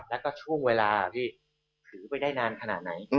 แล้วก็ช่วงเวลาพี่ถือไปได้นานขนาดไหน